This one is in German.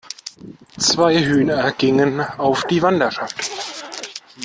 Zwei Hühner gingen auf die Wanderschaft!